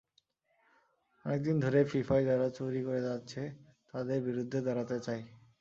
অনেক দিন ধরেই ফিফায় যারা চুরি করে যাচ্ছে, তাদের বিরুদ্ধে দাঁড়াতে চাই।